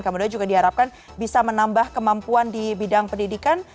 kemudian juga diharapkan bisa menambah kemampuan di bidang pendidikan